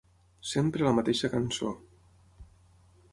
Sempre la mateixa cançó...